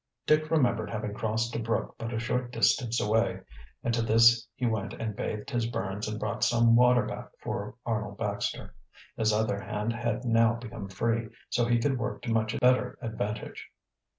Dick remembered having crossed a brook but a short distance away, and to this he went and bathed his burns and brought some water back for Arnold Baxter. His other hand had now become free, so he could work to much better advantage.